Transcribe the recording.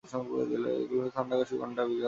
এগুলো হলো কানি-গন্ডা, বিঘা-কাঠা ইত্যাদি।